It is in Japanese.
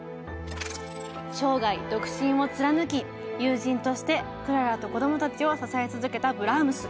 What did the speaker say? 生涯独身を貫き友人としてクララとこどもたちを支え続けたブラームス。